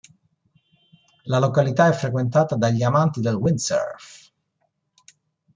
La località è frequentata dagli amanti del windsurf.